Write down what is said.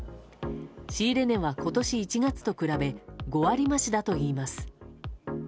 仕入れ値は今年１月と比べ５割増しだといいます。